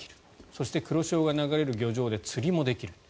そして黒潮が流れる漁場で釣りもできる。